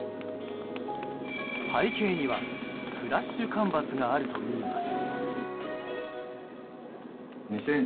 背景にはフラッシュ干ばつがあるといいます。